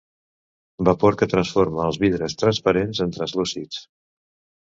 Vapor que transforma els vidres transparents en translúcids.